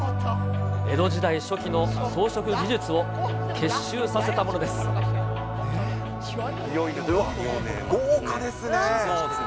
江戸時代初期の装飾技術を結集さ豪華ですね。